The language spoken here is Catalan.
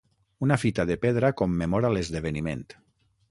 Una fita de pedra commemora l'esdeveniment.